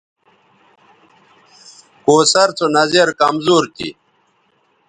کوثر سو نظِر کمزور تھی